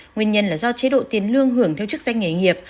nguyên nhân là do chế độ tiền lương hưởng theo chức danh nghề nghiệp